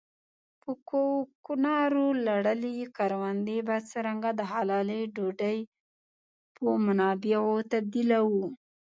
په کوکنارو لړلې کروندې به څرنګه د حلالې ډوډۍ په منابعو تبديلوو.